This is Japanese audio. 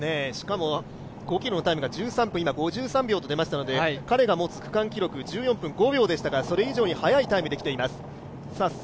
しかも、５ｋｍのタイムが１３分５３秒と出ましたので彼が持つ区間記録、１４分５秒でしたからそれ以上に速いタイムで来ています。